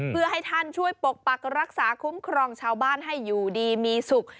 เพื่อให้ท่านช่วยปกปักรักษาคุ้มครองชาวบ้านให้อยู่ดีมีสุข